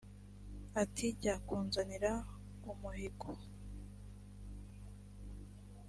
ati jya kunzanira umuhigo